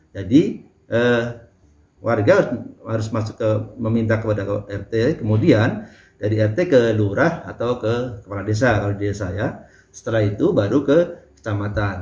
jadi warga harus meminta kepada rt kemudian dari rt ke lurah atau ke desa setelah itu baru ke kecamatan